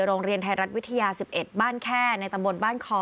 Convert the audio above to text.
โรงเรียนไทยรัฐวิทยา๑๑บ้านแค่ในตำบลบ้านคอ